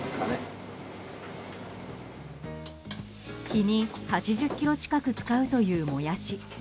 日に８０ｋｇ近く使うというモヤシ。